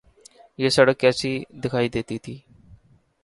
یہ سڑک کیسی دکھائی دیتی تھی۔